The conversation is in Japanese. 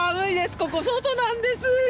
ここ、外なんです。